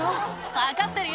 「分かってるよ